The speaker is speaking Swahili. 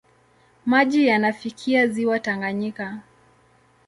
Maji yanafikia ziwa Tanganyika.